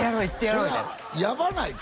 それはやばないか？